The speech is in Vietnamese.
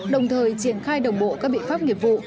đồng thời triển khai đồng bộ các biện pháp nghiệp vụ